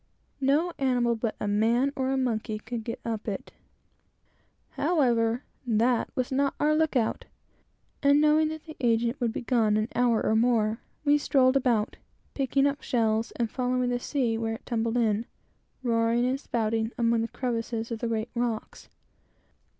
No animal but a man or monkey could get up it. However, that was not our look out; and knowing that the agent would be gone an hour or more, we strolled about, picking up shells, and following the sea where it tumbled in, roaring and spouting, among the crevices of the great rocks.